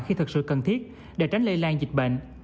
khi thật sự cần thiết để tránh lây lan dịch bệnh